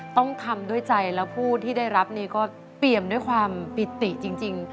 ต้องทำด้วยใจแล้วผู้ที่ได้รับนี่ก็เปรียมด้วยความปิติจริง